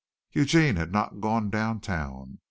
Eugene had not gone down town.